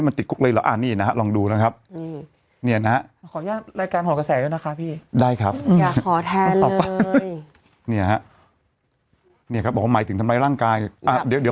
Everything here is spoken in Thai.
ป่าวป่ามาย